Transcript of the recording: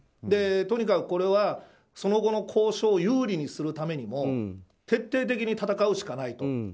とにかく、これはその後の交渉を有利にするためにも徹底的に戦うしかないと。